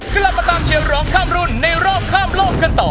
กลับมาตามเชียร์ร้องข้ามรุ่นในรอบข้ามโลกกันต่อ